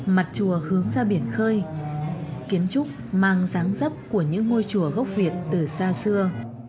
mặt chùa hướng ra biển khơi kiến trúc mang dáng dấp của những ngôi chùa gốc việt từ xa xưa